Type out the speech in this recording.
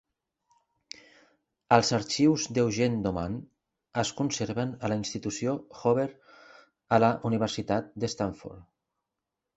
Els "arxius d'Eugene Dooman" es conserven a la institució Hoover a la Universitat de Stanford.